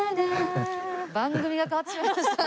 番組が変わってしまいました。